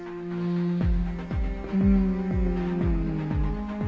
うん。